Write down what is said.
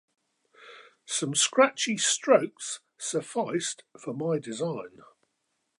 Some scratchy strokes sufficed for my design.